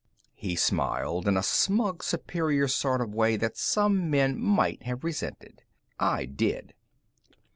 He smiled in a smug, superior sort of way that some men might have resented. I did.